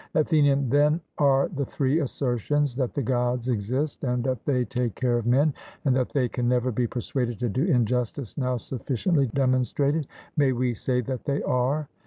ATHENIAN: Then are the three assertions that the Gods exist, and that they take care of men, and that they can never be persuaded to do injustice, now sufficiently demonstrated? May we say that they are?